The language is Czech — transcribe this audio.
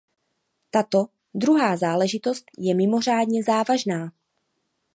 Tato druhá záležitost je mimořádně závažná.